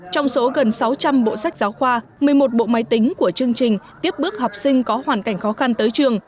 trong số gần sáu trăm linh bộ sách giáo khoa một mươi một bộ máy tính của chương trình tiếp bước học sinh có hoàn cảnh khó khăn tới trường